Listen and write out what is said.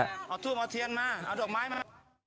เอาทูบเอาเทียนมาเอาดอกไม้มา